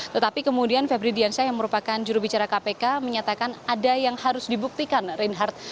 tetapi kemudian febri diansyah yang merupakan jurubicara kpk menyatakan ada yang harus dibuktikan reinhardt